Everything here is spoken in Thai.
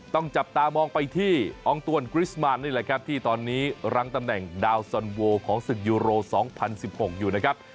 ต้องจับตามองไปที่อองตวนกริสมานนี่แหละครับที่ตอนนี้รั้งตำแหน่งดาวซอนโวของศึกยูโร๒๐๑๖อยู่นะครับ